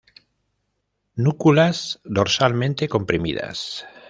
Núculas dorsalmente comprimidas.